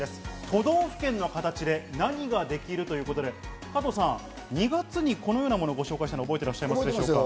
都道府県の形で何ができる？ということで、加藤さん、２月にこのようなものをご紹介したのを覚えていますか？